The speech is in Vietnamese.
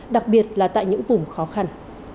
đặc biệt là tại những vùng khó khăn